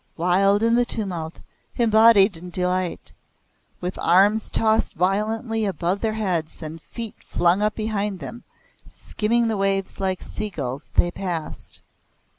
Wild in the tumult, embodied delight, with arms tossed violently above their heads, and feet flung up behind them, skimming the waves like seagulls, they passed.